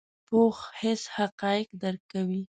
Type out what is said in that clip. پوخ حس حقایق درک کوي